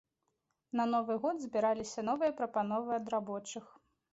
На новы год збіраліся новыя прапановы ад рабочых.